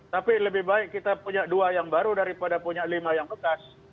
tapi lebih baik kita punya dua yang baru daripada punya lima yang bekas